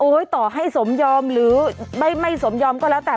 ต่อให้สมยอมหรือไม่สมยอมก็แล้วแต่